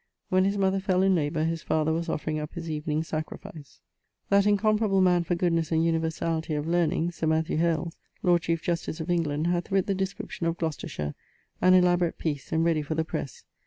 When his mother fell in labour, his father was offering up his evening sacrifice. That incomparable man for goodnes and universality of learning, Sir Matthew Hales, Lord Chief Justice of England, hath writt the description of Gloucestershire, an elaborate piece, and ready for the presse.